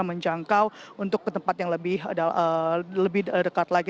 bisa menjangkau untuk ke tempat yang lebih ada lebih dekat lagi